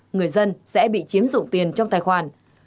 người dân sẽ bị chiếm dụng tiền trong tài khoản